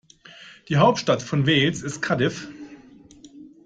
Die Hauptstadt von Wales ist Cardiff.